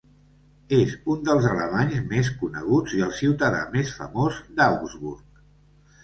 És un dels alemanys més coneguts i el ciutadà més famós d'Augsburg.